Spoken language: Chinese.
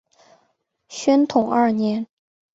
宣统二年。